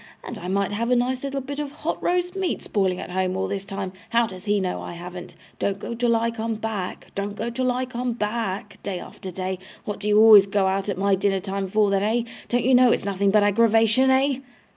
And I might have a nice little bit of hot roast meat spoiling at home all this time how does HE know I haven't? "Don't go till I come back," "Don't go till I come back," day after day. What do you always go out at my dinner time for then eh? Don't you know it's nothing but aggravation eh?